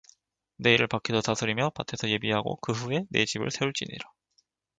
네 일을 밖에서 다스리며 밭에서 예비하고 그 후에 네 집을 세울지니라